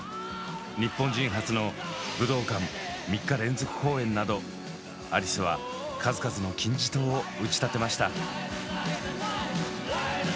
日本人初の武道館３日連続公演などアリスは数々の金字塔を打ち立てました。